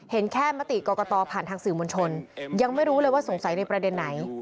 เห็นแค่มติกรกตผ่านทางสื่อมวลชนยังไม่รู้เลยว่าสงสัยในประเด็นไหน